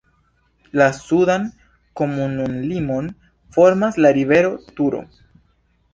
La sudan komunumlimon formas la rivero Turo.